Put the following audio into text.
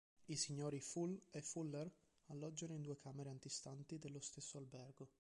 I signori Full e Fuller alloggiano in due camere antistanti dello stesso albergo.